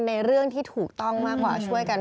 ในเรื่องที่ถูกต้องมากกว่าช่วยกัน